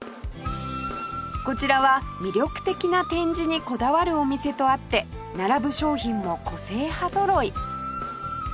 こちらは魅力的な展示にこだわるお店とあって並ぶ商品も個性派ぞろい